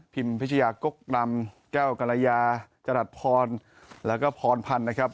พิชยากกนำแก้วกรยาจรัสพรแล้วก็พรพันธ์นะครับ